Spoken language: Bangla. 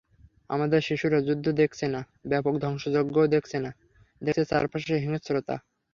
আমাদের শিশুরা যুদ্ধ দেখছে না, ব্যাপক ধ্বংসযজ্ঞও দেখছে না, দেখছে চারপাশের হিংস্রতা।